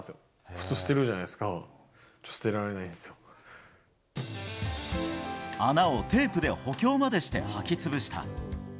普通捨てるじゃないですか、穴をテープで補強までして履きつぶした。